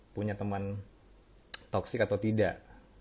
punya teman toksik atau tidak